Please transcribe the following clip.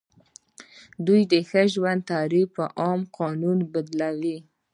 دوی د ښه ژوند تعریف په عام قانون بدلوي.